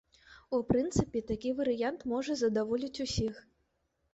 У прынцыпе, такі варыянт можа задаволіць усіх.